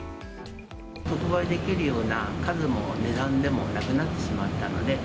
特売できるような数も値段でもなくなってしまったので。